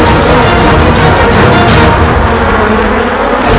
dia pengen berkhianat dan ber statements